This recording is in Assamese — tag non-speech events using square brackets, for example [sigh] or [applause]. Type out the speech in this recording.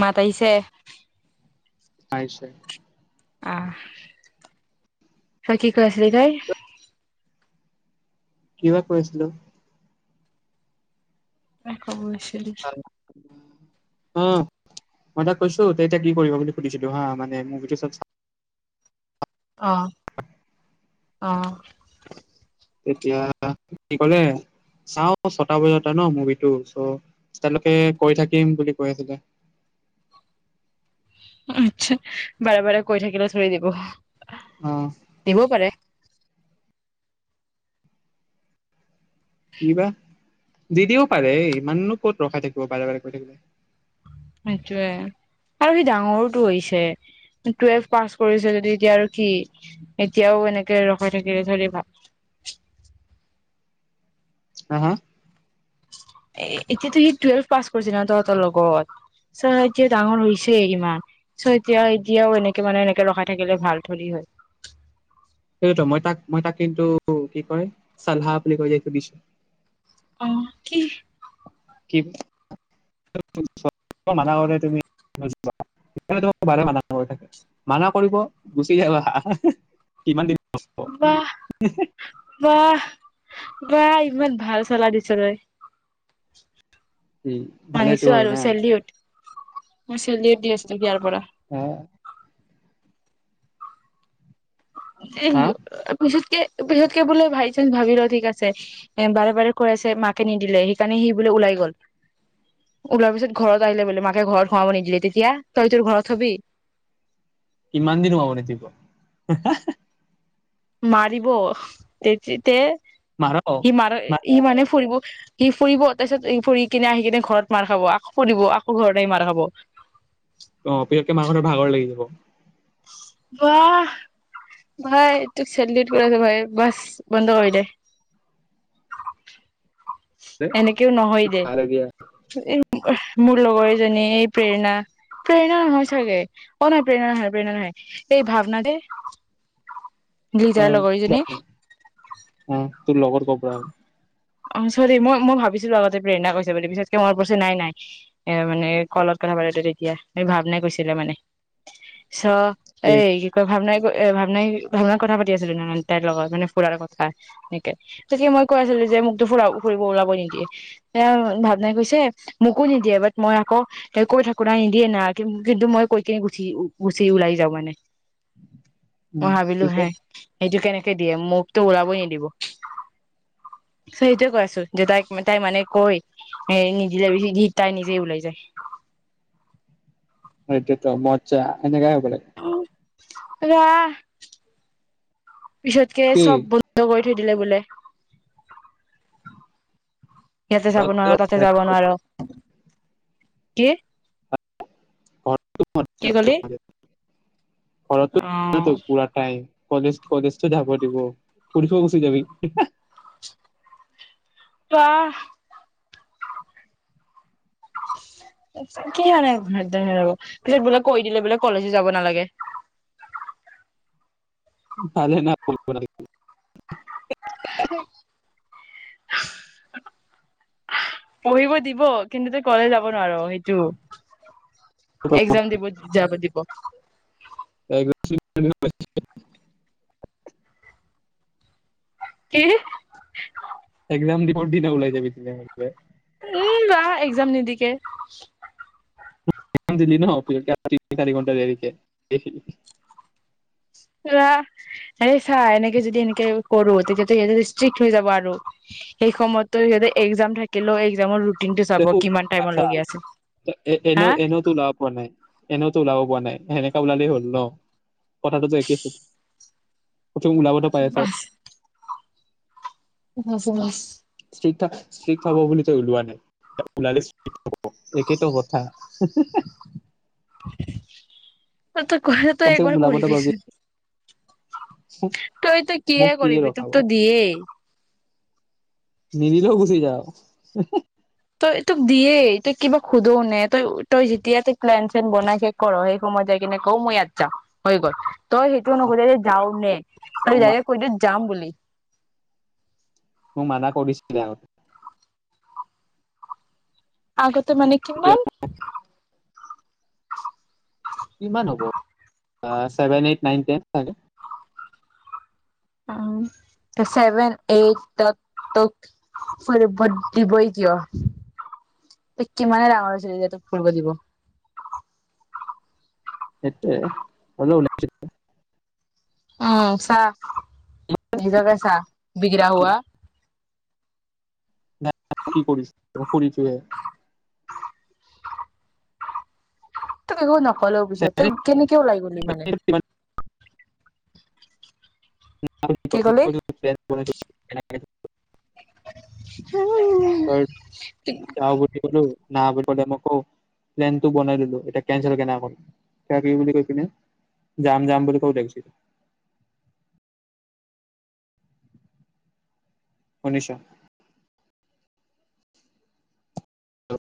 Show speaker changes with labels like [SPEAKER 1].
[SPEAKER 1] মাত আহিছে।
[SPEAKER 2] আহিছে।
[SPEAKER 1] ঐ কি কৈ আছিলি তই?
[SPEAKER 2] কিবা কৈ আছিলোঁ।
[SPEAKER 1] এনে খবৰ লৈছোঁ খল [inaudible]
[SPEAKER 2] অ' মই তাক কৈছোঁ, তে এতিয়া কি কৰিবা বুলি সুধিছিলোঁ হা, মানে মুভিটো চব চা
[SPEAKER 1] অ'।
[SPEAKER 2] [inaudible]
[SPEAKER 1] অ'।
[SPEAKER 2] এতিয়া সি ক'লে, চাও ছটা বজাতে ন' মুভিটো? ছো, তালৈকে কৈ থাকিম বুলি কৈ আছিলে।
[SPEAKER 1] আচ্ছা, বাৰে বাৰে কৈ থাকিলে থৰেই দিব?
[SPEAKER 2] অ
[SPEAKER 1] দিব পাৰে।
[SPEAKER 2] কি বা দিদিও পাৰে ইমাননো ক'ত ৰখাই থাকিব বাৰে-বাৰে কৈ থাকিলে ।
[SPEAKER 1] সেইটোয়ে আৰু সি ডাঙৰোটো হৈছে। টোৱেলভ পাছ কৰিছে যদি এতিয়া আৰু কি? এতিয়াও এনেকে ৰখাই থাকিলে চ ভাল
[SPEAKER 2] হাহা?
[SPEAKER 1] এ- এতিয়াতো সি টুৱেলভ পাছ কৰিছে ন' তহঁতৰ লগত? ছো, এতিয়া ডাঙৰ হৈছে কিমান? ছো, এতিয়া- এতিয়াও এনেকে মানে এনেকে ৰখাই থাকিলে ভাল থলি হয়।
[SPEAKER 2] সেইটোতো মই তাক মই তাক কিন্তু কি কয়? চাল্হা বুলি কৈ যে সেইটো দিছো।
[SPEAKER 1] অহ, কি?
[SPEAKER 2] [unintelligible] মান তুমি ব মান মানা কৰিব গুচি যাবা কিমান দিন হ'ব?
[SPEAKER 1] বাঃ, বাঃ বাঁ, ইমান ভাল চোলা দিছ' তই।
[SPEAKER 2] উম, ভালেটো
[SPEAKER 1] মানিছো
[SPEAKER 2] হয়
[SPEAKER 1] আৰু
[SPEAKER 2] না?
[SPEAKER 1] চেলিউট মই চেলিউড দি আছো ইয়াৰ পৰা।
[SPEAKER 2] অ'। হা
[SPEAKER 1] পিচুতে পিচতকে বোলে, বাই চানস ভাবি ল', ঠিক আছে । এ বাৰে-বাৰে কৈ আছে মাকে নিদিলে । সেইকাৰণে সি বোলে ওলাই গ'ল । ওলোৱাৰ পিছত ঘৰত আহিলে বোলে । মাকে ঘৰত সোমাব নিদিলে, তেতিয়া? তই তোৰ ঘৰত থবি?
[SPEAKER 2] ইমান দিনো আৰু নেদিব? হাঁ- হাঁ- হাঁ।
[SPEAKER 1] মাৰিব তেতিতে।
[SPEAKER 2] মাৰ
[SPEAKER 1] সি মাৰ- সি মানে ফুৰিব সি ফুৰিব । তাৰপিছত সি ফুৰি কিনে আহি কিনে ঘৰত মাৰ খাব । আকৌ ফুৰিব, আকৌ ঘৰত আহি মাৰ খাব।
[SPEAKER 2] অ পিছকে মাহঁতৰ ভাগৰ লাগি যাব।
[SPEAKER 1] বাঁ, ভাই তোক চেল্যুট কৰি আছোঁ ভাই । বাছ, বন্ধ কৰি দে।
[SPEAKER 2] দে,
[SPEAKER 1] এনেকেও
[SPEAKER 2] কি
[SPEAKER 1] নহয় দে
[SPEAKER 2] পাৰগীয়া।
[SPEAKER 1] । মোৰ লগৰ এজনী এই প্ৰেৰণা, প্ৰেৰণা নহয় চাগে অ নাৰ প্ৰেৰণা হয় প্ৰেৰণা হয় এই ভাৱনাতে
[SPEAKER 2] অ' [inaudible] অ' তোৰ লগৰ ক [unintelligible] [inaudible]
[SPEAKER 1] অ', চৰি । মই- মই ভাবিছিলোঁ আগতে প্ৰেৰণা কৈছে বুলি। পিছতকে মনত পৰিছে, নাই-নাই । এ মানে ক'লত কথা পাতোতে তেতিয়া । এ- ভাৱনাই কৈছিলে মানে। ছো, এই কি কয় ভাবনাই এ ভাৱনাই ভাৱন কথা পাতি আছিলো না তাইৰ লগত মানে ফুৰাৰ কথা এনেকে গতিকে মই কৈ আছিলো যে মোক ফুৰাও- অ- ফুৰিব ওলাবই নিদিয়ে । সেয়া আৰু ভাৱনাই কৈছে, মোকো নিদিয়ে। বাত মই আকৌ হেল্প কৰি থাকোঁ না, নিদিয়ে না । কি- কিন্তু মই কৈ কিনে গুচি-গুচি ওলাই যাওঁ মানে। মই
[SPEAKER 2] উম,
[SPEAKER 1] ভাবিলোঁ হে
[SPEAKER 2] পিছত
[SPEAKER 1] সেইটো কেনেকে দিয়ে? মোকতো ওলাবই নিদিব। ত সেইটোৱে কৈ আছো যে তাই -তাই মানে কৈ এ নিদিলে বি তাই নিজে ওলাই যায়।
[SPEAKER 2] সেইটোৱেতো মজা। এনেকাই হব লাগে।
[SPEAKER 1] আহ, পিছতকে
[SPEAKER 2] কি
[SPEAKER 1] চব বন্ধ কৰি উ থে দিলে বোলে। ইয়াতে যাব
[SPEAKER 2] ঘৰতো
[SPEAKER 1] নোৱাৰ', তাতে যাব নোৱাৰ'। কি?
[SPEAKER 2] ঘ
[SPEAKER 1] কি কলি অ
[SPEAKER 2] ঘৰত পুৰাটাই কলেজ কলেজ ত যাব দিব কোনটো গুচি যাবি
[SPEAKER 1] অঁ কি হেনে পিছত বোলে কৈ দিলে বোলে কলেজো যাব নালাগে
[SPEAKER 2] ভালে না পৰিব নালাগে
[SPEAKER 1] পঢ়িব দিব কিন্তু তই কলে যাব নোৱাৰ সেইটো একজাম দিব যাব দিব
[SPEAKER 2] [unintelligible]
[SPEAKER 1] কি
[SPEAKER 2] একজাম দিব ওলাই যাবি নহলে
[SPEAKER 1] উম বা এক্সাম নিদিকে
[SPEAKER 2] দিলি ন তিনি চাৰি ঘণ্টা দেৰিকে
[SPEAKER 1] ৰা এনেকে যদি এনেকে কৰো তেতিয়ো যে সিহঁতে ষ্ট্ৰিক্ট হৈ যাব আৰু সেই সময়ততো সিহঁতে এক্সামৰ থাকিলেও এক্সমৰ
[SPEAKER 2] তো চা
[SPEAKER 1] হা
[SPEAKER 2] এনেও এনেও টো লাভ হোৱা নাই পোৱা নাই সেনেকা ওলালেই হ'ল ন কথাটোতো একেই হো ক'তো ওলাব নাপাইছা
[SPEAKER 1] বাচ [unintelligible]
[SPEAKER 2] ষ্ট্ৰিক ষ্ট্ৰিকট হ'ব বুলি তই ওলোৱা নাই ওলালে টো স্ত্ৰীক হব সেইৱেতো কথা
[SPEAKER 1] [unintelligible] তই ঘ তই
[SPEAKER 2] কমচে কম
[SPEAKER 1] একবাৰ
[SPEAKER 2] ওলাবতো পাবি
[SPEAKER 1] কৰিবিচোন তই তই কি়
[SPEAKER 2] মোক কিয়ে
[SPEAKER 1] কৰিবি তোক
[SPEAKER 2] ৰখাব
[SPEAKER 1] তো দিয়েই
[SPEAKER 2] নিদিলোঁ গুচি যাও
[SPEAKER 1] এই তোক দিয়ে তই কিবা সোধো নে তই তই যেতিয়া তই প্লেন চেন বনাই শে কৰ সেই সময়ত যাই কিনে ক মই ইয়াত যাম হৈ গ'ল তই সেইটো নুহোধ যে যাও নে তই
[SPEAKER 2] মোক মা-
[SPEAKER 1] ডাইৰেক্ট কৈ দিও যাম বুলি
[SPEAKER 2] মোক মানা কৰিছিলে আগতে
[SPEAKER 1] আগত ত মানে
[SPEAKER 2] এতিয়া
[SPEAKER 1] কিমান
[SPEAKER 2] কিমান হ'ব ছেভেন এইট নাইন টেনই চাগে
[SPEAKER 1] উ চেভেন এইটত তোক ফুৰিব দিবই কিয় কিমানে ডাঙৰ হৈছিল যেতিয়া তোক ফুৰিব দিব
[SPEAKER 2] সেইটোৱে হলোঁ ওলাইছিলোঁ
[SPEAKER 1] অঁ চা নিজকে চা বিগৰা হোৱা
[SPEAKER 2] না আপুনি কৰিছেই মই কৰিছোহে
[SPEAKER 1] তোক একো নকৈ হ'লে পিছত তই কেনেকে ওলাই গ'লি মানে
[SPEAKER 2] কিমান
[SPEAKER 1] কি কলি?
[SPEAKER 2] [unintelligible] তই যাওঁ বুলি ক'লো
[SPEAKER 1] উ'
[SPEAKER 2] না বুলি কলে মই কওঁ প্লেনটো বনাই দিলো এতিয়া কেনচেল কেনে কম কি বুলি কৈ কিনে যাম -যাম বুলি কওঁ দেখিছিল শুনিছোঁ। অ